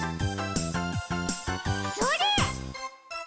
それ！